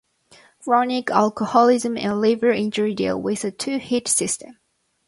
Chronic alcoholism and liver injury deal with a two hit system.